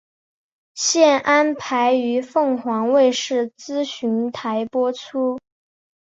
现安排于凤凰卫视资讯台播出。